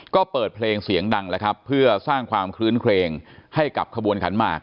ก็เปิดเพลงเสียงดังแล้วครับเพื่อสร้างความคลื้นเครงให้กับขบวนขันหมาก